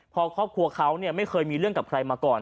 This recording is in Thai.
พอครอบครัวเขาไม่เคยมีเรื่องกับใครมาก่อน